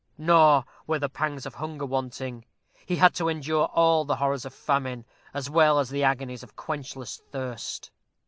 Nor were the pangs of hunger wanting. He had to endure all the horrors of famine, as well as the agonies of quenchless thirst.